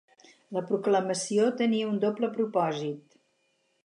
La proclamació tenia un doble propòsit.